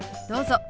どうぞ。